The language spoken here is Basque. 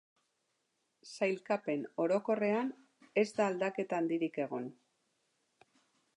Sailkapen orokorrean ez da aldaketa handirik egon.